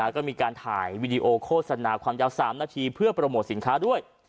ก็มีการถ่ายวีดีโอโฆษณาความยาว๓นาทีเพื่อโปรโมทสินค้าด้วย